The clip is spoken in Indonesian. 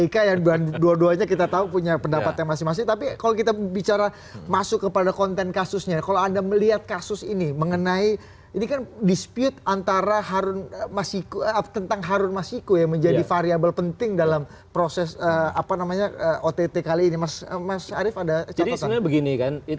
kami akan segera kembali